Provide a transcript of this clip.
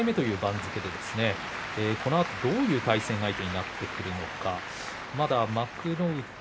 西の４枚目という番付でこのあとどういう対戦になってくるのか。